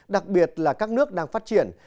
đặc biệt là các nước đang phát triển